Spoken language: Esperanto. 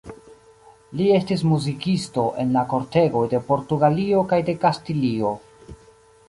Li estis muzikisto en la kortegoj de Portugalio kaj de Kastilio.